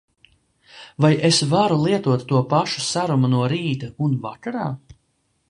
Vai es varu lietot to pašu serumu no rīta un vakarā?